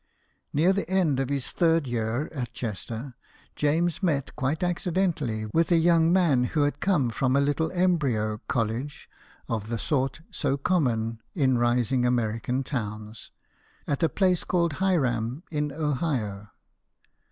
Near the end of his third year at Chester, James met, quite accidentally, with a young man who had come from a little embryo ''college," of the sort so common in rising American towns, at a place called Hiram in Ohio.